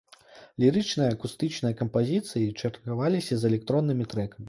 Лірычныя акустычныя кампазіцыі чаргаваліся з электроннымі трэкамі.